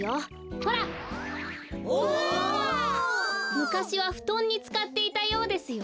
むかしはふとんにつかっていたようですよ。